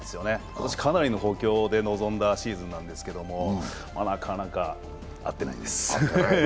今年かなりの補強で臨んだシーズンなんですけども、なかなか合ってないです。